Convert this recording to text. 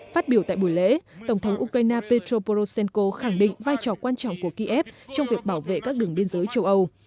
phát biểu tại buổi lễ tổng thống ukraine petro poroshenko khẳng định vai trò quan trọng của kiev trong việc bảo vệ các đường biên giới châu âu